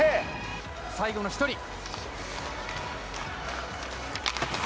最後の一人。